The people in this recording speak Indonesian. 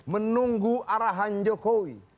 menunggu arahan jokowi